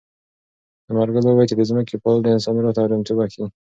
ثمرګل وویل چې د ځمکې پالل د انسان روح ته ارامتیا بښي.